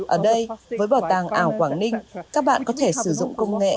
ở đây với bảo tàng ảo quảng ninh các bạn có thể sử dụng công nghệ